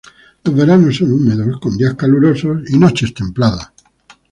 Los veranos son húmedos, con días calurosos y noches templadas.